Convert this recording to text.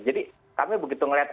jadi kami begitu melihat